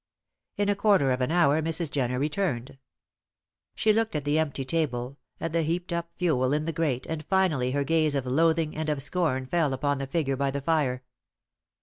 In a quarter of an hour Mrs. Jenner returned. She looked at the empty table, at the heaped up fuel in the grate, and finally her gaze of loathing and of scorn fell upon the figure by the fire.